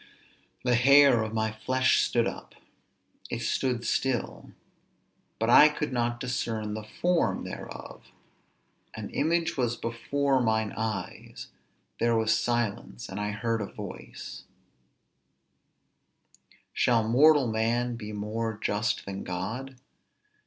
The hair of my flesh stood up. It stood still_, but I could not discern the form thereof; _an image was before mine eyes; there was silence; and I heard a voice, Shall mortal man be more just than God?